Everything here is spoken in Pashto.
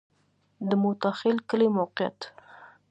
د موټاخیل کلی موقعیت